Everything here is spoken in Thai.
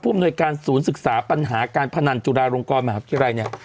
ผู้อำนวยการศูนย์ศึกษาปัญหาการพนันจุฬาโรงกรมาครับที่ไรเนี่ย